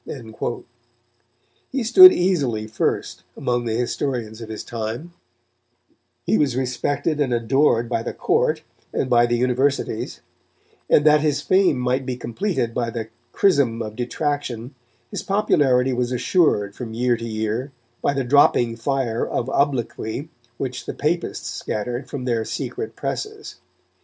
He stood easily first among the historians of his time; he was respected and adored by the Court and by the Universities, and that his fame might be completed by the chrism of detraction, his popularity was assured from year to year by the dropping fire of obloquy which the Papists scattered from their secret presses.